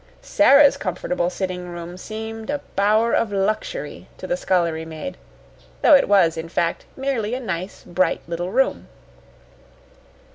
Sara's comfortable sitting room seemed a bower of luxury to the scullery maid, though it was, in fact, merely a nice, bright little room.